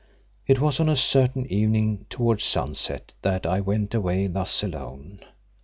It was on a certain evening towards sunset that I went away thus alone.